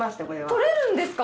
獲れるんですか？